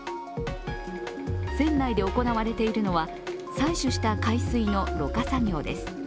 船内で行われているのは採取した海水のろ過作業です。